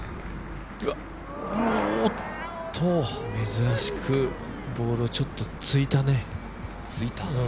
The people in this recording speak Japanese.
珍しくボールをちょっとついたね。